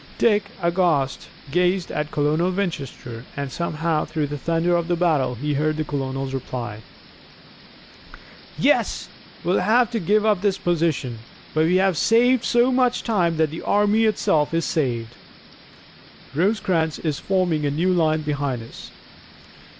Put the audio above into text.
Dick, aghast, gazed at Colonel Winchester and somehow through the thunder of the battle he heard the colonel's reply: "Yes, we'll have to give up this position, but we have saved so much time that the army itself is saved. Rosecrans is forming a new line behind us."